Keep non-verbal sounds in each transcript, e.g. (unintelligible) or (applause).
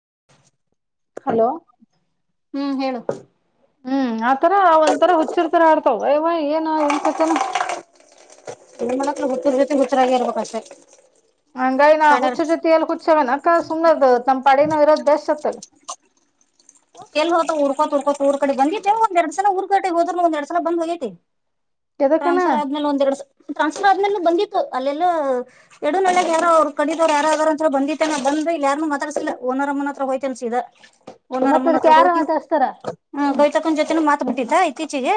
(inaudible) Hello ಹ್ಮ್ ಹೇಳು ಹ್ಮ್ ಆತರ ಒಂಥರ ಹುಚ್ಚಿರ್ತರ ಆಡ್ತಾವ ಅಯ್ವ ಏನ ಏನ್ ಕತೆೇನ ನಿಣ ಮಕ್ ಹುತ್ತಿರ್ ಜೊತೆ ಹುತ್ತರಾಗ ಇರ್ಬೇಕಷ್ಟೆ ಹಂಗೈ ನ ಸಣ್ಣ ಹುಚ್ಚೊ ಎಲ್ಲಿ ಹುಚ್ಚವ ನಕ್ಕ ಸುಮನದ ತಮ್ಮ ಪಡಿ ನ ದಶತ ಕೆಲ್ ಹ ಹೊತ ಉರ್ಕೋತ್ ಉರ್ಕೋತಊರ್ ಕಡೆ ಬಂದಿಟ್ಟ ಒಂದ ಎರಡ್ ಸಲ ಊರ್ಡೆ ಹೋದ್ರೂ ಒಂದ ಎರಡ್ ಸಲ ಬಂದ ಹೋಗೇತಿ ಎದಕ್ಕನ ಟ್ರಾನ್ಸ್ಫರ್ ಆದ್ಮೇಲೆ ಒಂದ್ ಟ್ರಾನ್ಸ್ಫರ್ ಆದ್ಮೇಲೆ ಬಂದಿತ್ತು ಅಲ್ಲೆಲ್ಲಾ ಎಡ ನ ಯಾರೋ ಅವರು ಕಡಿದವ್ ಯಾರಾರ ಅಂತ ಬಂದಿ ಬ ಇಲ್ಲ ಯಾರುೂ ಮಾತಾಡ್ಸಿಲ್ಲ ಒರ ಮುನ್ನ ಹತ್ರ ಹೋಯ್ತನ್ಸ ಇ ಒೂರ ಮತ್ತ ಮುತ್ರ ಅದಕ್ ಯಾರ ಹೋಗಿ ಮಾತಾಡ್ಸ್ತಾರ ತಕ್ಕ ಜೊತೆ ಮಾತ ಬಿಟ್ಟತ್ತ ಇತ್ತೀಚಿಗೆ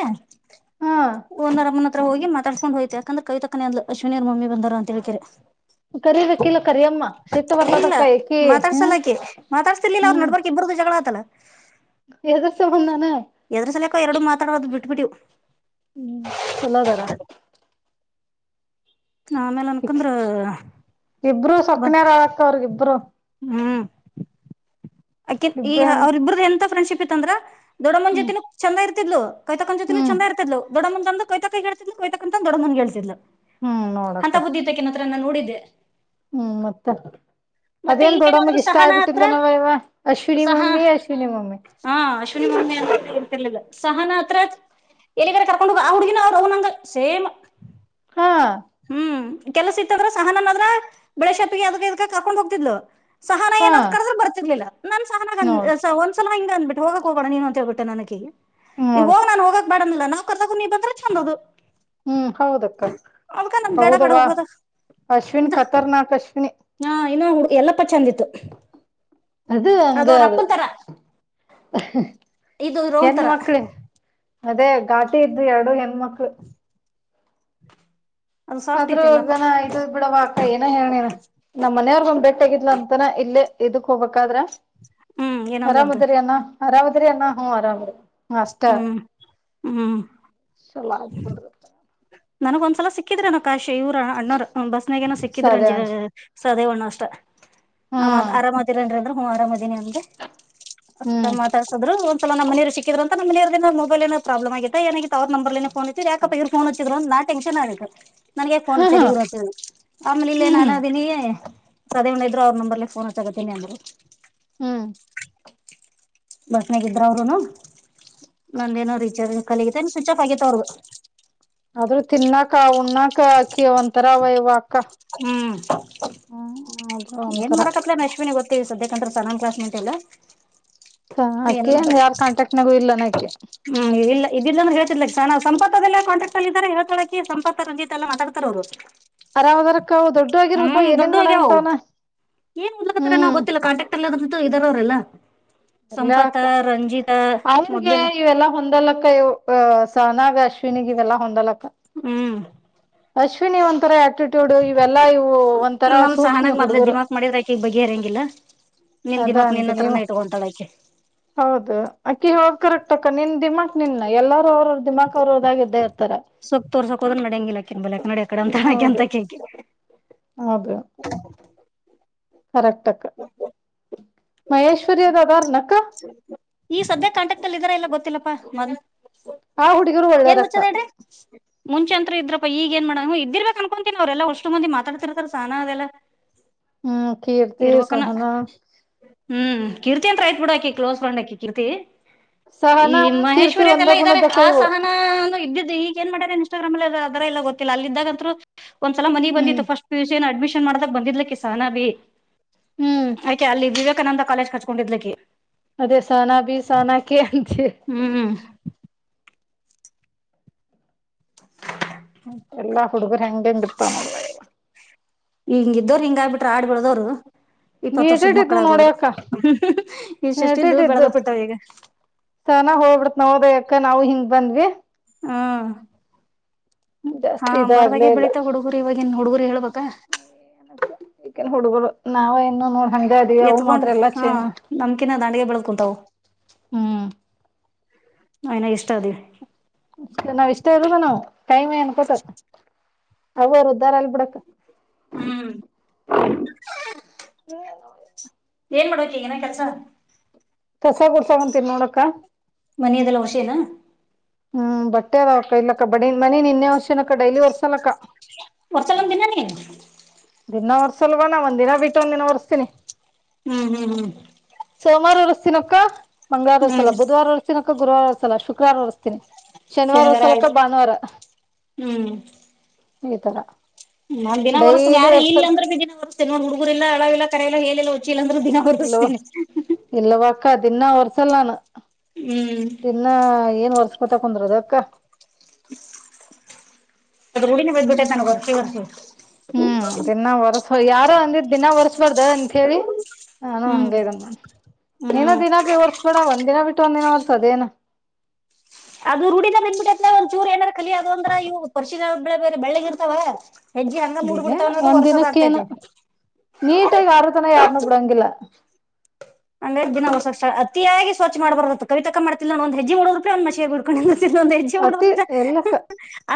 ಹಾ ಒರ ಹತ್ರ ಹೋಗ ಮಾತಡ್ಕೊಂಡು ಹೋಗ್ ಯಕಂದ್ರ ಕಿತ ತನ ಅ್ವಿನಿ್ರ ಮಮ್ಮಿ ಬಾರ ಅಂತೇಕಿರಿ ಕರಿಬೇಕಿಲ್ಲ ಕರಿಯಮ್ಮ ಸಿಟ್ಟು ಇಲ್ಲ ಬರ್ತದಕ್ಕ ಈಕಿ ಹ್ಮ ಮಾತಾಡ್ಸಲಾಕೆ ಮಾತಾಡ್ತಿರ್ಲಿಲ್ಲ ಅವ್ರು ನೋಡ್ಬಾರ ಜಗಳತಲ್ಲ ಎದ ಸಮಮ್ ತಾನ ಎದರು ಸಲಕೋ ಎರಡು ಮಾತಾಡೋದು ಬಿಟ್ಬಿಟ್ಟು ಹ್ಮ್ ಚಲೋದಾರ ಆಮೇಲೆ ಅನ್ಕಂದ್ರ ಬ ಸಕ್ನರ್ ಅಳಕ್ಕ ಅವ್ರಿಬ್ರು ಹ್ಮ್ ಅಕೆನ್ ಈ ಇಬ್ರೇ ಹ್ಮ್ ಅವ್ರ ಇಬ್ರ ಎಂತ ಫ್ರೆಂಡ್ಶಿಪ್ ಇತ್ತಂದ್ರ ದೊಡ್ಡಮ್ಮನ್ ಜೊತಿನೂ ಚಂದ ಇರ್ತಿಿದ್ಲು ಕೈತಕನ್ ಜೊತೆನು ಹ್ಮ್ ಚಂದ ಇತಿತ್ತು ದೊಡಂದಂತಂದು ಕ ತಕ ಹಳ್ತಿ ಕೊ ತತಂತಂದುೊಡನ ಹೇತಿಿದಾ ಹ್ಮ್ ಅಂತ ನೋಡಕ್ಕ ಬುದತ ಕೆನ ಹತ್ರ ನಾನು ನೋಡಿದ್ದೆ ಹ್ಮ್ ಮತ್ತೆ ಮತ್ತೆ ಅದೇನ್ ಇಲ್ಲೇನಾದ್ರು ದೊಡ್ಡಮ್ಮಗೆ ಇಷ್ಟ ಸಹನಾ ಹತ್ರ ಆಗ್ಬಿಟ್ಟಲ್ ನಾವವ ಅಶ್ವಿನಿ ಸಹ ಮಮ್ಮಿ ಅಶ್ವಿನಿ ಮಮ್ಮಿ ಹಾ ಅಶ್ವಿನಿ ಮೂಮಿ ಅಂತ ಇರ್ತಿರ್ಲಿಲ್ಲ ಸಹ ನ ಹತ್ರ ಎಲ್ಲಿಗರೆ ಕರ್ಕೊಂಡ ಹೋಗ ಆ ಹುಡ್ಗಿನ ಅವ್ರು ಅವನಂಗ ಸೇಮ್ ಹಾ ಹ್ಮ್ ಕೆಲಸ ಇತ್ತಂದ್ರ ಸಹನನಾದ್ರ ಬೆಳೇಶತ್ಗೆ ಅದ ಇದ ಕಾಕೊಂಡ್ ಹೋಗ್ತಿದ್ಲು ಸಹನ ಹಾ ಏನಾದ್ ಕಡ್ರೆ ಬರ್ತಿರ್ಲಿಲ್ಲ ನನ್ ಸಹನ ನೋಡ್ ಒಂದ್ಸಲ ಹಂಗ ಅಂದ್ಬಿು ಹೋಗಕ್ ಹೋಗೋಣ ನೀನು ಅಂತ ಹಳ್ಬಿಟ್ಟ ನನಗೆ ನೀವು ನೋಡ್ ಹೋಗ ನಾು ಹೋಗ ಬಡಿಲ್ಲ ನಾವು ಕರ್ದಕು ನೀ ಬಂದ್ರೆ ಚೆಂದದದು ಹ್ಮ್ ಹೌದಕ್ಕ ಬೇಡ ಬೇಡ ಹೌದುವ ಹೋಗೋದ ಅಶ್ವಿನಿ ಇಂತ ಖತರ್ನಾಕ್ ಅಶ್ವಿನಿ ಹಾ ಇನ್ನ ಹಡು ಎಲ್ಲಪ್ಪ ಚೆಂದಿತ್ತು ಅದು ಹಂಗ ಅದು ಇದು ಇ ರ ಒ ಹೆಣ್ ತರ ಮಕ್ಳಿನ್ ಅದೇ ಘಾಟಿ ಇದು ಎರಡು ಹೆಣ್ಮಕ್ಳು (unintelligible) ಸಾಫ್ಟ್ ಇತ್ತು ಎಲ್ಲಪ್ಪ ಆದ್ರೂಗನ ಇದು ಬಿಡವಾಕ ಏನ ಹೇಳನೇನ ನಮ್ಮ್ ಮನೆಯವ್ರಗ ಒಂದ್ ಬೆಟ್ಟ ಆಗಿದ್ಲ ಅಂತನ ಇಲ್ಲೇ ಇದಕ್ ಹೋಗಬೇಕಾದ್ರ ಹ್ಮ್ ಏನಂದ್ಲಂತ ಅರಾಮದ್ರಿ ಅನ್ನ ಅರಾಮದ್ರಿ ಅಣ ಹ್ಮ ಅರಾಮ್ರಿ ಅಷ್ಟೇ ಹ್ಮ್ ಹ್ಮ್ ಚಲ ಆಗ್ಬಡತ್ತ ನನಗ ಒಂದ್ಸಲ ಸಿಕ್ಕಿದ್ರ ನ ಕಾಶಿ ಇವ್ರ ಅಣ್ಣರ್ ಬಸ್ನಾಗೇನ ಸರಿ ಸಿಕ್ಕಿದ್ರಂಜ ಸದೆೇವಣ್ಣ ಅಷ್ಟ ಹ್ಮ್ ಆತ್ ಅರಾಮ್ತೀರನ್ಿ ಅಂದ್ರ ಹ್ ಆರಾಮ್ದೀನಿ ನಮ್ಗೆ ಹ್ಮ್ ಮಾತಾಡ್ಸದ್ರು ಒ ಸಲ ನಮ್ಮನರು ಸಿಕ್ಕಿದ್ರ ನಮ್ಮನ ಮೊಬೈಲನ ಪ್ರಾಲಮ ಆಗತ ನ ತರ್ ನಂಬರ್ ಫೋನ್ಐತ್ತು ಯಾಕಪ್ಪ ಇರ್ ಫೋನ್ ಹಿದ್ ನ ೆನ್ ಆಿು ನನ್ಗೆ ಹ್ಮ್ ಫೋನ್ಚ್ಚರಿ ರಜು ಆಮೇಲೆ ಇಲ್ಲೇ ಹ್ಮ್ ಹ್ಮ್ ನಾನದೀಿನಿ ಸದವಣ್ಣ ಇದ್ರು ಅವ್ರ ನಂಬರ್ಲ್ಲ ಫೋನ್ ಹತ್ತಕತೀನ ಅಂದರು ಹ್ಮ್ ಬಸ್ನಾಗ ಇದ್ರ ಅವರುನು ನಂದ ನೋ ರೀಚರ್ ಕಲಗಿತ ಸ್ವಿಚ್ ಆಫ್ ಆಗೈತೆ ಅವ್ರ ಆದ್ರೂ ತಿನ್ನಾಕ್ ಉಣ್ಣಕ್ ಅಕಿ ಒಥರ ವಯ್ ಹ್ಮ್ ಹ್ಮ ಹ ಏನ್ ಮಾಡಕಪ್ಲ ಅಶ್ವಿನಿ ಗೊತ್ತೇವಿ ಸದ್ಯಕಂತ ಸನನ್ ಕ್ಾಸ್ ನಿಂಂತೆಲ್ಲ ಸ ಅಕೆ ಯಾರ್ ಕಾಂಟ್ರ್ಯಾಕ್ಟ್ನಾಗು ಇಲ್ಲಾನ ಅಕೆ ಇಿಂದ ಹೇತಿಿದಲಕ್ ನ ಸಂಪದಲ್ಲ ಕಾಟ್ರಾಕ್ಟ್ ಅಲ್ಲ ಇದಾರೆ ಹೇಳ್ತಳಕ ಸಂಪ ರಜಿತ್ ಎಲ್ಲ ಮಾತಾಡ್ತಾರೆ ಅವರು ಅರಾಮ್ ಅದರಕ್ಕ ಅವ ದೊಡ್ಡಗಿರ್ಬೇಕ ಏನೇನ್ ಮಾಡಂತವನ ಏನ್್ಲಕತ್ತಾರೆ ನಾ ಹ್ಮ್ ಗೊತ್ತಿಲ್ಲ ಕಾಂಟ್ರಾಕ್ಟ್ ಅಲ್ಲಿು ಇದರೋರೆಲ್ಲ ಎಲ್ಲ ಸಂಪತ ಅಕ್ಕ ರಂಜಿತ್ ಅವ್ರಿಗೆ ಇವೆಲ್ಲಾ ಹೊಂದಲಕ್ಕ ಇ ಅ ಸನಾಗ ಅಶ್ವಿನಿ ಇವೆಲ್ಲಾ ಹೊಂದಲಕ್ಕ ಹ್ಮ್ ಅಶ್ವಿನಿ ಒಂತ ಥರ ಆಟಿಟ್ಯೂಡ್ ಇವೆಲ್ಲಾ ಇವು ಒಂಥರ ನಮ್ ಸೂಕ್ಷ್ಮಿ ಸಹನಾಗ ಮೊದ್ಲೆ ಹುಡುಗರು ದಿಮಾಕ್ ಮಾಡಿದ್ರ ಆಕಿ ಬಗೆಹರಂಗಿಲ್ಲ ನಿನ್ ಅದಾ ದಿಮಾಕ್ ಅಂತೆ ನಿನ್ನ ನೀವ ಹತ್ರನ ಇಟ್ಕೊಂತಾಳ ಆಕಿ ಹೌದು ಅಕ್ಕಿ ಹದ ಕರಕ್ಕ್ಕ ನಿನ್ ದಿಮಾಕ್ ನಿನ್ ಎಲ್ಲಾರ ಅವರು ದಿಮಾಕ್ ಅವರು ಹಓದಾಗಿದ್ದೇ ಇರ್ತಾರ ಸೊತೋರ್ ಸಕೋದ್ರ ನಡಂಗಿಲ್ಲಾಿನ್ಲಾ ನಡ ಅ ಕಡ ಅಂತ ತಣಕ ಅಂತ ಕೇ ಹದು ಕರೆಕ್ಟ್ಕ್ಕ ಮಹೇಶ್ವರಿ ಅದ ಅದಾರಣ ಅಕ್ಕ ಲ್ಲಪ್ಪ ಮ ಆ ಹುಡುಗರು ಏನ್ ಒಳ್ಳೇರಕ್ಕ ಮುಚ್ಚದಡ್ರಿ ಮುಂಚೆಂತ್ರ ಇದ್ರಪ್ಪಾ ಈಗ ಏನ್ ಮಾಡೋಣ ಇದಿರ್ಬೇಕೇಕ್ ಅನ್ಕೊಂತತನ್ ಅವ್ರರೆಲ್ಲಾ ಅಷ್ಟುಂದ ಮಾತಾಡ್ತಿರ್ತಾರ ಸಾನ ಅದೆಲ್ಲ ಹ್ಮ್ ಕೀರ್ತಿ ಇರ್ಬೇಕನ ಸಹನಾ ಹ್ಮ್ ಕೀರ್ತಿ ಅಂತತ್ರ ಆಯ್ತ್ ಬಿಡಕ ಕ್ಲೋಸ್ ಫ್ರಂಡ್ಕಿ ಕೀರ್ತಿ ಈ ಸಹನಾ ಕೀರ್ತಿ ಒಂದ ಮಹೇಶ್ವರಿಯದೆಲ್ಲ ಇದ್ದಾರೆ ಗುಣದಕ್ಕ ಆ ಇವು ಸಹನ ಒ ಇದ್ದ ಈಗ ಏನ್ ಮಾಡ ಇನ್ಸ್ಟಾಗ್ರಾಮ ಅಲ್ಲಿ ಅದಲ್ಲ ಗೊತ್ತಿಲ್ಲ ಅಲ್ಲ ಇದಾಗಂತೂ ಒಂದ್ಸಲ ಮಿ ಹ್ಮ್ ಬಂದಿತ್ತುಫಸ್ಟ್ ಪಿು ಅಡ್ಮಷನ್ ಮಾಡದಾಗ ಬಂದಿದ್ಲಕ್ಕಿ ಸಹನಾ ಬಿ ಹ್ಮ್ ಆಯ್ಕೆ ಅಲ್ಲಿ ವಿವೇಕಾನಂದ ಕಾಲೇಜ್ ಕ ಹಚ್ಕೊಂಡಿದ್ಲಕಿ ಅದೇ ಸೋನಾ ಬಿ ಸೋನಾ ಕ ಅಂತ ಹ್ಮ್ ಎಲ್ಲಾ ಹುಡುಗರು ಹೆಂಗ ಹೆಂಗ ಇರ್ತಾವ ನೋಡುವ ಇವ ಹಿಂಗ ಇದ್ದೋರು ಹಿಂಗ ಆಗ್ಬಿ್ರ ಆಡ್ಬ ಬಿಡದೋರು ಇಪ್ಪತ್ ವರ್ಷದ ಏಟೇಟ್ ಇದ್ವು ನೋಡಿ ಮಕ್ಕಳಾಗೋದ್ರು ಅಕ್ಕ ಇಷ್ಟೆಷ್ಟಿದ್ದು ಬೆಳೆದ ಬಿಟ್ಟವ ಈಗ ಸನ ಹೋಗ್ಬಿಡತ್ ನೋದ ಯಕ ನಾವು ಹಿಂಗ್ ಬಂದ್ವಿ ಹಾ ಹಾ ಜಾಸ್ತಿ ಇದಾಗ್ಲೇ ಬರದಾಗೆ ಇಲ್ಲ ಬೆಳೀಿತಾ ಹುಡುಗರು ಇವಾಗಿನ್ ಹುಡುಗರಿ ಹೇಳ್ಬೇಕ ಈಕೇನ್ ಹುಡುಗರು ನಾವೇ ಎತ್ಕೊಂಡ್ ಹಾ ನಮಕಿನ ದಾಂಡಗೆ ಬೆಳ್ಕುಂತವು ಹ್ಮ್ ಯ್ನ ಇಷ್ಟ ಅದ ಷ್ಟ ನಾವ್ ಇಷ್ಟ ಇ ನಾವವು ಕೈ ಮ ಏನ್ ಕೊಟ ಅವವರು ಉದ್ಧಾರ ಅಲ್ ಬಿಡಕ್ ಹ್ಮ್ ಏನ್ ಮಾಡೋಕ್ಕೆ ಈಗನ ಕಸ ಕಸ ಕೊಡ್ತಾವಂತೀನ್ಿ ನೋಡಕ್ಕ ಮನೆಯದೆಲ್ಲ ಹುಶಿನಾ ಹ್ಮ್ ಬಟ್ಟೆ ಅವಕ್ಕ ಇಲ್ಲಕ್ಕ ಬಡಿ ಮನಿ ನಿನ್ನೆಷ ಡೈಲಿ ಹೊರ್ಸಲ್ಲಕ್ಕ ವರ್ಷದೊಂದ್ ದಿನ ನೀ ದಿನ ಒರ್ಸಲ್ವ ನಾ ಒಂದ ದಿನ ಬಿಟ್ಟು ಒಂದ್ ದಿನ ಹೊರ್ಸ್ತೀನಿ ಹ್ಮ್ ಹ್ಮ್ ಹ್ಮ್ ಸೋಮವಾರ ಉರ್ಸಸ್ತೀನಕ್ಕ ಮಂಗಳವಾರವ ಹ್ಮ್ ವರ್ಸಲ ಬುಧವಾರ ಉರ್ತಿನಕ್ಕ ಗುರುವಾರವ ಸಲ ಶುಕ್ರವಾರ ಉರ್ಸ್ತನಿ ಶನಿವಾರ ಉರ್ಸಲಕ್ಕ ಭಾನುವಾರ ಹ್ಮ್ ಈ ತರ ನಾನ್ ದಿನಾ ವರ್ಸರ್ತನೆ ಡೈಲಿ ಯಾರ ವರ್ಸಲ್ ಇಲ್ಲಂದ್ರೆ ದಿನ ವರ್ಸ್ತೇನೆ ಹುಡುಗುರಿಲ್ಲ (unintelligible) ಏನಿಲ್ಲ ಚಲಂದ್ರ ದಿನ (unintelligible) ಅಕ್ಕ ದಿನಾ ವರ್ಸಲ್ಲ ನಾನು ಹ್ಮ್ ದಿನಾ ಏನ್ ವರ್ಸ್ಕೊತ ಕುಂದ್ರದ ಅಕ್ಕ (inaudible) ಅದ ರೂಡಿನ ಬದ್ ಬಿಟ್ಟಯಿತೇ ವರ್ಸಿ ವರ್ಸಿ ಹ್ಮ್ ದಿನಾ ಒರ್ಸು ಯಾರೋ ಅಂದಿದ ದಿನಾ ಒರ್ಸ್ಬಾರ್ದ ಅಂತ ಹೇಳಿ ನಾನು ಹ್ಮ್ ಹಂಗೆ (unintelligible) ನೀನ ಹ್ಮ್ ದಿನ ಬಿರ್ಸ್ಬೇಡ ಒಂದ್ ದಿನ ಬಿಟ್ (unintelligible) ಒಂದಿನ ವರ್ಸದೇನು ಅದು ರೂಢಿದ ಬಂದ್ಬಿಟ್ಟೆತ್ತ ಒಂದ ಚೂರ್ ಏನಾರ ಕಲಿ ಅದು ಅಂದ್ರ ಇವು ಪಶಿನ ಬೇರೆ ಬೆಳ್ಳಳಗ್ರ್ತಾವ ಹೆಜ್ಜ ಹಂಗ ಮೂಡ್ ಬಿಡ್ತಾವ ಈಗೇನು ಅನ್ನೋದು ಒಂದ್ ದಿನಕ್ಕೇನು ಹೊರ್ಸದಾಗಗ್ತೈತೆ ನೀಟಾಗಿ ಹಾರು ತನ ಯಾರನ್ನೂ ಬುಡಂಗಿಲ್ಲ ಅಂದ್ರೆ ದಿನಷ್ಟ ಅತಿಯಾಗಿ ಸ್ವಚ್ಛ ಮಾಡ್ಬಾರತ್ತ ಕಿವಿತಕ್ಕ ಮಾಡ್ತಿಲ್ಲ ಒಂದ್ಜ್ಜಿ ಮೂವರು ರೂಪಿ ಒಂದ ಮಷಾಗಡ್ಕೊಂಡ ಒಂದ್ ಹೆಜ್ಜೆ ಮಾಡ ಅತಿ ಎಲ್ಲಕ್ಕ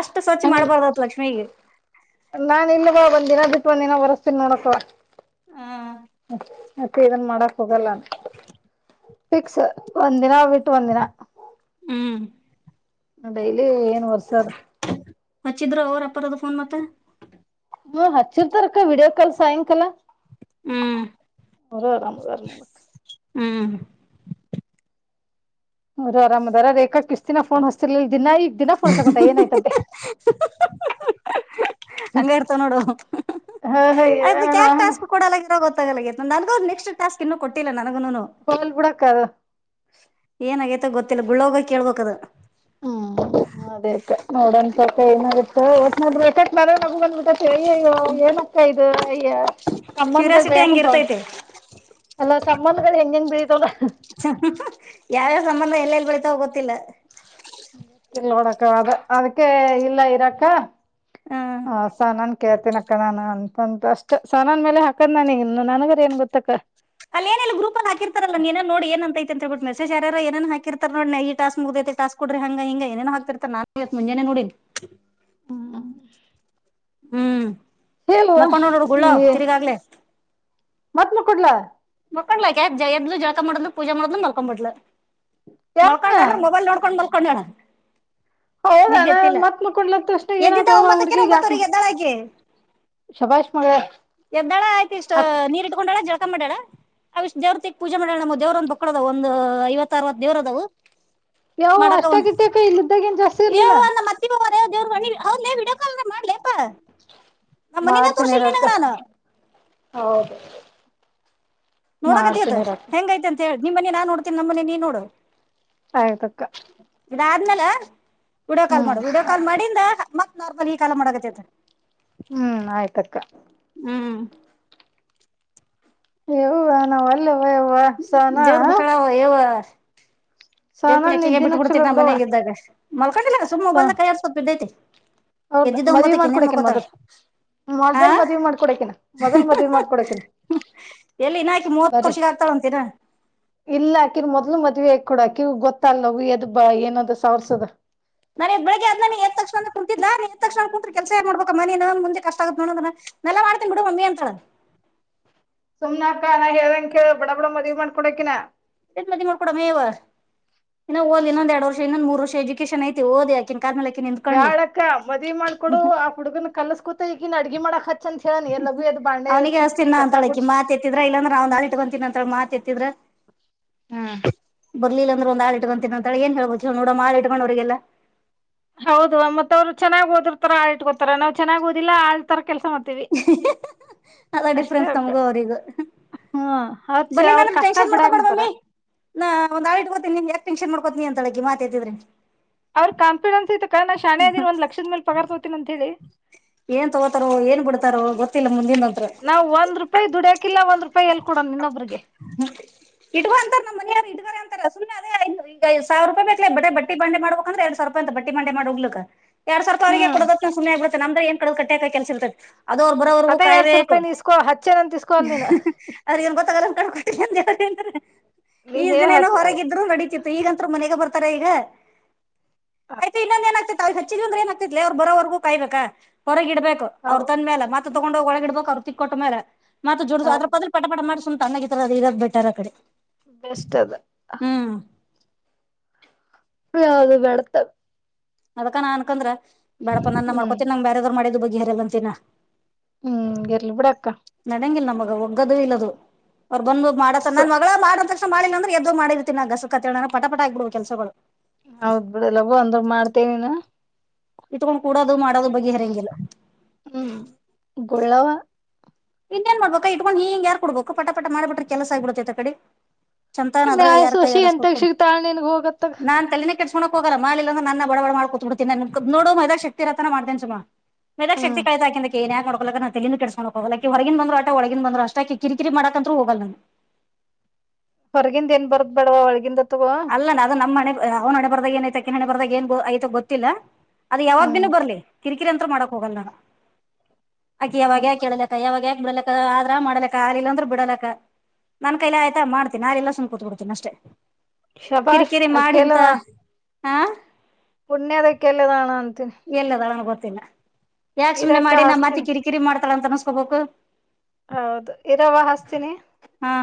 ಅಷ್ಟು ಸ್ವಚ್ ಹಂಗ ಮಾಡ್ಬಾರ್ದತ್ ಲಕ್ಷ್ಮೀ ನಾನ್ ಇಲ್ವಾ ಬಂದಿನ ಬಿದುಟ್ಟ ಒಂದಿನ ಬರಸ್ತೀನಿ ನೋಡಕ್ಕ ಹ ಮತ್ತೆ ಇದನ್ ಮಾಡಕ್ ಹೋಗಲ್ಲ ಫಿಕ್ಸ್ ಒಂದಿನ ಬಿಟ್ ಒಂದಿನ ಹ್ಮ್ ಡೈಲಿ ಏನ್ ವರ್ಸದು ಹಚ್ಚಿದ್ರು ಅವರು ಅಪ್ಪಾರದ ಫೋನ್ ಮತ್ತೆ ಹ್ಮ ಹಚ್ಚಿರ್ತಾರಕ್ಕ ವಿಡಿಯೋ ಕಾಲ್ ಸಾಯಂಕಾಲ ಹ್ಮ್ ಅವರ ಆರಾಮದರ ನೋಡು ಹ್ಮ್ ಅವರು ಆರಾಮದಾರ ರೇಖಾಕ್ ಇಷ್ಟ್ ದಿನ ಫೋನ್ ಹಸ್ತಿರ್ಲಲ್ ದಿನಾ ಈಗ್ ದಿನ ಫೋನ್ ಹಚ್ಚಕೊಂತ ಏನಾಯ್ತಂತೆ ಹಂಗ ಇರ್ತವ ನೋಡು ಹ ಆಯ್ದು ಹ ಕ್ಯಾಕ್ ನಾನ್ ಟಾಸ್ಕ್ ಕೂಡಲ ಇರೋ ಗೊತ್ ನಂಗು ನೆಕ್ಟ್ ಟಾಸ್ಕ್ ಇನ್ನು ಕೊಟ್ಟಿಲ್ಲಾ ನಾ ಹೋಗಲ್ ಬುಡಕ್ಕ ಅದು ಏನ ಆಗೇತ ಗೊತ್ತಿಲ್ಲ ಗುಳ್ಳ ಹೋಗ ಕೇಳ್ಬೇಕ್ ಅದು ಹ್ಮ್ ಅದೇಕ್ಕ ನೋಡನ್ ತಕೊ ಏನಾಗುತ್ ವಾಟ್ನಲ್ಲಿ ರೆಕಾರ್ಡ್ ಮಾಡಿದ್ರೆ ನಗು ಬಂದ್ಬಿಡುತ್ತೆ ಸರಿ ಅಯ್ಯೋ ಏನಕ್ಕ ಇದು ಅಯ್ಯ ಸಂಬಂದ ಕ್ಯೂರಿಯಾಸಿಟಿ ಹಂಗ ಬೇಕಂತ ಒಂದು ಇರ್ತೈತಿ ಅಲ್ಲ ಸಂಬಂಧಗಳು ಹೆಂಗೆ ಹೆಂಗ್ ಬೆಳಿತಾವಲ್ಲ ಯಾವ್ ಯಾವ್ ಸಂಬಂಧ ಎಲ್ಲೆಲ್ಲಿ ಬೆಳಿತಾವ್ ಗೊತ್ತಿಲ್ಲ ಗೊತ್ತಿಲ್ಲ ನೋಡಕ್ಕ ಅದ ಅದಕ್ಕೆ ಇಲ್ಲ ಇರಾಕ್ಕ ಹ್ಮ್ ಹಾ ಸನನ್ ಕೇಳ್ತೀನ ಅಕ್ಕ ನಾನ್ ಅಂತಂತು ಅಷ್ಟ ಸನನ್ ಮೇಲೆ ಹಾಕದ್ ನನಿ ಇನ್ನು ನನ್ಗರ ಏನ್ ಗೊತ್ತಕ್ಕ ಅಲ್ ಏನ್ ಗ್ರೂಪ್ ಅಲ್ ಹಾಕಿರ್ತಲ್ಲ ನೀನೆ ನೋಡ್ ಏನ್ಂತೈ ಅಂತ ಮೆಸೇಜ್ ಶ ಯಾರ್ ಯಾರ್ ಏನನಾ ಹಾಕರ್ತ ನೋಡ್ ಈ ಟಾಸ್ ಮುಗ್ದೈ ಟಾಸ್ ಕೊಡ್ರಿ ಹಿಂಗ ಹಿಂಗ ಏನ್ ಏನೋ ಹಾಕ್ತಿರ್ತ ನಾನ್ ಇವತ್ ಮುಂಜಾನೆ ನೋಡಿನಿ ಹ್ಮ ಹ್ಮ್ ಮಕೊಂಡ ನೋಡರು ಗುಳ್ಳ ತಿರಿಗಾಗ್ಲೆ ಮತ್ ಮಕೊಡ್ಲಾ ಮಕ್ಕಳಾ ಜಯದಲು ಜಳಕ ಮಾಡದಲು ಪೂಜೆ ಮಾಡ್ಲು ಮಲ್ಕೊಬುಟ್ಲು ಯಾಕ ಮಲ್ಕೊಂಡ ಅಂದ್ರ ಮೊಬೈಲ್ ನೋಡ್ಕೊಂಡ್ ಮಲ್ಕೊಂಡಳ ಹೌದಾ ನಾ ನಿದ್ದೆತ್ತಿಲ್ಲ ಮತ್ ಮಕ್ಕೊಡ್ಲ ತಕ್ಷಣ ಎದ್ದಿದ್ದ ಏನಾತವ ಒಂಬತ್ತಕೆ ಹುಡ್ಗಿಗ್ ಯಾಕ ಒಂಬತ್ತವರೆಗೆ ಎದ್ದಳಾಕಿ ಶಭಾಷ್ ಮಗಳ ಎದ್ದಳ ಅಕಿ ಷ್ಟ ಅಕ್ಕ ನೀರ ಇಟ್ಕೊಂಡಾಳ ಜಳ್ಕ ಮಾಡ್ಯಾಳ. ಅವಷ್ಟ ದೇವ್ರತಿಕ ಪೂಜೆ ಮಾಡಳ ನಮ್ಮ ದೇವ್ರ ಒಂದ ಬಕ್ಕಳ ಅದಾವ ಒಂದ ಐವತ್ತ ಅರವತ್ತ ದೇವ್ರದವು. ಯಾವ ಮಾಡಕ ಅಷ್ಟ ವ ಗಿಟ್ಟ್ಯಾಕ ಇಲ್ಲಿದ್ದಾಗ ಏನ್ ಜಾಸ್ತಿ ಎ ಇರ್ಲಿಲ್ಲ ನಮ್ಮ ಅತ್ತಿ ದವ್ರ ಬ ಹೊದ್ಲೇ ವಿಡಿಯೋ ಕಾಲ್ ಅರೆ ಮಾಡ್ಲಪ್ಪಾ. ಮಾಡ್ತೀನ ಇರಕ್ಕ ಹೌದ. ನೋಡಕತ್ತಿ ಅತ್ ಹೆಂಗೈತ ಅಂತ ಹೇಳಿ ನಿಮ್ಮನೀ ನಾ ನೋಡ್ತೀನ ನಮ್ಮ ಮನೆ ನೀ ನೋಡ. ಆಯ್ತಕ್ಕ. ಇದಾದ್ಮೇಲೆ ವಿಡಿಯೋ ಕಾಲ್ ಮಾಡ ಹ್ಮ್ ವ ವಿಡಿಯೋ ಕಾಲ್ ಮಾಡಿಂದ ಮತ್ತ ನಾರ್ಮಲ್ ಈ ಕಾಲ್ ಮಾಡಕತ್ತ ಅತ್ತ. ಹ್ಮ ಆಯ್ತಕ್ಕ. ಹ್ಮ್ ಯವ್ವ ನಾ ವಲ್ಲಿ ಯವ್ವ ಯವ್ವ ಸಹನಾ. ದೇವ ಪೂಜೆಕ್ಕೆಗ ಬಿಟ್ಬಡ್ತೀ ಚಲೋ ನ ಬಿಡವ ಮನೆಗೆ ಇದ್ದಾಗ ಮಲ್ಕೊಂಡಿಲ್ಲ ಸುಮ್ ಮೊಬಲ್ನಗ ಕೈಯಾಡ ಸ್ಕೊತ ಬಿದ್ದೆತ. ಹೌದ ಮದ್ವಿ ಮಾಡ್ಕೊಡ ಅಕಿನ ಮೊದ್ಲ ಆ ಮೊದಲ್ ಮದ್ವಿ ಮಾಡ್ಕೊಡ ಅಕಿನ ಮೊದಲ್ ಮದ್ವಿ ಮಾಡ್ಕೊಡಕ ಅಕಿನ ಎಲ್ಲಿ ಇನ್ನ ಆಕಿ ಮೂವತ್ ಬರಿ ವರ್ಷಗ ಆಗ್ತಾಳಂತ ಇನ್ನ ಇಲ್ಲ ಆಕಿನ್ ಮೊದ್ಲ ಮದ ಕೂಡವು ಗೊತ್ತ ಆಲಿ ಎದ್ ಬಾ ಏನಾ ನಾನ ಈ ಬೆಳಗ್ಗೆ ಅದನಾನ ಎದ್ದ ಲಕ್ಷನ ಕುತಿದ್ಲಾ. ಕುತ್ ಕೆಲ್ಸ ಯಾರ ಮಾಡ್ಬೇಕ ಮ ನೀನು ಮುಂದೆ ಕಷ್ಟ ಆಗುತ್ತ ನೋಡ ಅಂದ್ರ ನಾ ಎಲ್ಲಾ ಮಾಡ್ತನಿ ಬಿಡು ಮಮ್ಮಿ ಅಂತಳ. (inaudible) ಹಮ್ನಕಾ ಹೇಳಂಗ ಕೇಳ ಬಡ ಬಡ ಮದ್ವಿ ಮಾಡಕೊಡ ಅಕಿನ. ಎಟ್ ಮದ್ವಿ ಮಾಡಕೊಡೋಣ ಎವ್ವ ಇನ್ನ ಓದಲಿ ಇನ್ನೊಂದ ಎರಡ ವರ್ಷ ಇನ್ನೊಂದ ಮೂರ ವರ್ಷ ಎಜುಕೇಶಷನ್ ಐತಿ ಓದಲಿ ಅಕಿನ ಬ್ಯಾಡಕ್ಕ ಮದ್ವಿ ಮಾಡ್ಕೊಡು ಆ ಹುಡುಗನ ಕಲಸ್ಕೂತ ಇಕಿನ ಅಡ್ಗ ಮಾಡಕ ಹತ್ ಚ ಲಗು ಏತ್ ಅವನಿಗ ಹಚ್ಚತೀನಿ ನಾ ಅಂತಳ ಮಾತ ಎತ್ತಿದ್ರ ಇಲ್ಲಂದ್ರ ಒಂದ ಆಳ ಇಟ್ಕೊಂತಿನಿ ಅಂತಳ ಮಾತ ಎತ್ತಿದ್ರ. ಬರ್ಲಿಲ್ಲ ಅಂದ್ರ ಒಂದ ಆಳ ಇಟ್ಕಂತೀನ ಅಂತಾಳ ಏನ್ ಹೇಳ್ಬಕ ಹೇಳ ನೋಡಮ್ಮ ಆಳ ಇಟ್ಕೊಂತಿನ ಅಂದ್ರ ಹೌದು ಮತ್ತ ಅವ್ರ ಚೆನ್ನಗ ಓದರ್ತರ ಆಳ ಇಟ್ಕೋತಾರ ನಾವ್ ಚೆನ್ನಾಗ ಓದಿಲ್ಲ ಆಳ್ತ ಕೆಲ್ಸ ಮಾಡ್ತೀವಿ. ಅಲ್ಲ ಅಷ್ಟೇ ಡಿಫ್ರೆನ್ಸ್ ಅಕ್ಕ ನಮ್ಗು ಅವ್ರಗು ಹ್ಮ್ ಅವ್ರ ಬಲಿಲ್ಲ ಅವ್ರ ಕಷ್ಟ ಟೆನ್ಶನ್ ಮಾಡ್ಕೋಬೇಡ ಬಿಡಾಕಂತಾರ ಮಮ್ಮಿ ನಾ ಒಂದ ಆಳ ಇಟ್ಕೋತೀನಿ ಏತ್ ಟೆನ್ಶನ್ ಮಾಡ್ ಹೋತಿನೀ ಅಂತಳ ಅಕಿ ಮಾತ ಎತ್ತಿದ್ರೆ ಕ ನಾ ಸ್ಯಾಣ ಅದಿನಿ ಒಂದ ಲಕ್ಷದ ಮೇಲೆ ಪಗಾರ್ತೋತನ ಅಂತ ಹೇಳಿ. ಏನ್ ತಗೋತಾರೋ ಏನ್ ಬಿಡ್ತಾರೋ ಗೊತ್ತಿಲ್ಲ ಮುಂದಿಂದಂತ್ರ ನಾವ ಒಂದ ರೂಪಾಯಿ ದುಡಿಯಕಿಲ್ಲ ಒಂದ ರೂಪಾಯಿ ಎಲ್ ಕೊಡ ಇನ್ನೊಬ್ರಿಗೆ ಇಟ್ಕೊಂತರ ನಮ್ಮ ಮನರ ಇ (unintelligible) ಸಾವಿರಪಾಯ ಬೇಕಲ ಬಟ್ಟ ಬಂಡ ಮಾಡ್ಬೇಕಂದ್ರ ಎರ ಸಾವಿ ರೂಪಾಯ ಅ ಬಟ್ಟ ಮಂಡೆ ಮಾಡ ಹೋಗ್ಲಕ ಎಡ್ ಸಾವರಪಾಯಿ ಅವರಿಗೆ ಹ್ಮ್ ಕೊಡದ ಸುಮ್ಮನೆ ಆಗತತ್ತ ನಮದರೆ ಏನ್ ಕಡದ ಕಟ್ಟೆ ಕೆಲಸ ಇರ್ತ. ಅದ ಅವರ ಬರೋವರ್ಗೂ ಅದೇ ಎರಡ್ ಸಾವಿರ ಕಾಯಬೇಕ ರೂಪಾಯಿ ನೀ ಇಸ್ಕೋ ಹಚ್ಚೇನಂತ ಇಸ್ಕೋ ಅಲ್ ನೀನ್ ಅವರ ಗೆನ್ ಗೊತ್ತ ನೀ ಈ ಹೇ ದಿನೇನು ಹಚ್ ಹೊರಗಿದ್ರು ನಡತಿತ್ತು ಈಗಂತರು ಮನೆಗೆ ಬರ್ ಈಗ ಅರ್ಪಿ ಇನ್ನೊಂದ ಏನಾಗ್ತ ತ ಚಿಗ ಅಂದ್ರ ಏನ್ ಆಗತ್ತ ಲೇ ಬರವರೆಗೂ ಕಾಯಬೇಕ ಹೊರಗ ಇಡ್ಬೇಕು ಹೌ ಅವ್ರ ತಂದ ಮೇಲ ಮತ ತಗೊಂಡೋಗ ಒಳಗ ಇಡಬೇಕ್ ಅವ್ರ ಕ್ಕ ಕೊಟ್ಟ ಮಾರ ಮತ್ತ ಜಡು ಅದ್ರ ಹೌದು ಬದ್ಲ ಪಟ ಪಟ ಮಾಡಿ ಸುಮ್ಮ ತನ್ನಗಿದ್ರ ಅದ ಇರದ ಬ ಬೆಟರ್ ಆಕಡಿ ಬೆಸ್ಟ್ ಅದ. ಯಾವದು ಬಡ್ತವೆ. ಅದಕ್ಕ ನಾ ಅನ್ಕಂದ್ರ ಬ್ಯಾಡಪ ನನ್ನ ಹ್ಮ್ ಮಾಡ್ಕೊತ ನಂಗ ಬ್ಯಾರೆ ದವರ ಮಾಡಿದ್ದು ಬಗ್ಗಿ ಹರಿಯಲ್ಲ ಅಂತಿನ ನ. ಹ್ಮ್ ಇರ್ಲಿ ಬಿಡಕ್ಕ. ನಡಂಗಿಲ್ಲ ನಮಗ ಒಗ್ಗದು ಇಲ್ಲದು ಅವ್ರ ಬಂದ ಮಾಡತ ಅಸ್ಸು ನನ್ನ ಮಗಳ ಮಾಡ ಮಾಡಿಲ್ಲಂದ್ರ ಎದ್ದ ಹೋಗಿ ಮಾಡಿರ್ತಿನ ಗಸ ಕತ್ತ ಹೇಳೋ ಪಟ ಪಟ ಆಗ್ಬಿಡು ಕೆಲಸಗಳು. ಹೌದ್ ಬಿಡ ಲಘು ಅಂದ್ರ ಮಾಡ್ತೇನೀನ ಇಟ್ಕೊಂಡ ಕೂಡೋದು ಮಾಡೋದು ಬಗೆಹರಂಗಿಲ್ಲ. ಹ್ಮ್ ಗುಳ್ಳವ ಇನ್ನೇನ ಮಾಡ್ಬೇಕ ಇಟ್ಕೊಂಡ ಹಿಂಗ ಯಾರ ಕೊಡ್ಬೇಕ ಪಟ ಪಟ ಮಾಡಿಬಿಟ್ರೆ ಕೆಲಸ ಆಗ್ಬಿಡತತ ಅಕಡಿ ಚಂತಾನ ಅದ್ರಗ ಮ್ಯಾಲ ಯಾರ್ ಕೈ ಸೋಸಿ ಎಂತಾಗ ಆಡಸಬೇಕು ಸಿಗ್ತಾಳ ನಿನ್ಗ ಹೋಗತ್ತಾಗ ನಾನ್ ತಲಿನ ಲಿ ಕೆಡಿಸ್ಕೊಳೋಕ ಹೊಗಲ್ಲ ಮಾಡಲಿಲ್ಲ ಅಂದ್ರ ನನ್ನ ನ ಬಡ ಬಡ ಮಾಡ ಕುತ್ ಬಿಡ್ತನಿ ನೋಡು ಮೈಲಾಗ ಶಕ್ತಿ ಇರೋತನ ಮಾಡತೇನ ಸುಮ ಹ್ಮ್ ಮೆಾಗಕ್ತಿ ಕಳತಾಕಂತ ಏ ಯಕೋಕ್ಕ ನ ತಂದು ಕೆಿಸಕ ಹೋಗ ಹೊರಗನ್ ಬಂದ್ರು ಆಟ ಒಳಗನ್ ಬಂದ್ರು ಅಷ್ಟ ಕಿರಿಕಿರಿ ಮಾಡಾಕಂತೂ ಹೋಗಲ್ಲ ನಾನು ಹೊರಗಿಂದ ಏನ್ ಬರದ ಬೇಡವ ಒಳಗಿ ಅಲ್ಲ ನ ಅದು ನಮ್ಮ್ಣೆ ಅವ್ನ ಹಣೆ ಬರ್ದಾಗ ಏನಾಯ್ತ ಅಕ್ಕಿ ಹಣೆ ಬರ್ದಾಗ ಏನ್ ಗ ಆಯ್ತ ಗೊತ್ತಿಲ್ಲ ಅದು ಯಾವಾಗ್ ಹ್ಮ್ ಬಿನು ಬರ್ಲಿ ಕಿರಿಕಿರಿ ಅಂತ್ರ ಮಾಡಕ್ ಹೋಗಲ್ಲ ನಾನು ಅಕಿ ಹ್ಮ್ ಯಾವಾಗ್ಯ ಕೇಳಲಿಕ್ಕ ಯಾವಾಗ ಬಿಡಲಕ್ಕ ಆದ್ರ ಮಾಡಲಕ್ಕ ಆರ್ಲಿಲ್ಲಾಂದ್ರೆ ಬಿಡಲಕ್ಕ ನನ್ ಕೈಯ ಆಯ್ತಾ ಮಾಡ್ತೀನಿ ನಾರೆ ಎಲ್ಲ ಸು ಕೂತ್ ಕೊಡ್ತಿನನ ಅಷ್ಟೇ ಶಬಾಷ್ ಕಿರಿಕಿರಿ ಮಾಡಿಂತ ಪುಣ್ಯದಕ್ಕೆಲ್ಲದಾಣ ಅಂತ ಎಲ್ಲದಾಳಣ ಗೊತ್ತಿಲ್ಲ ಯಾಕ್ ಸುಮನೆ ಇರಕ್ಕ ಮಾಡಿ ನಾ್ ಮತ್ತ ಹಸ್ತೀನಿ ಕಿರಿಕಿರಿ ಮಾಡ್ತಾಳ ಅಂತ ಅನ್ಸ್ಕೋಬೇಕು ಹೌದು ಇರವ ಹಸ್ತೀನಿ ಹಾ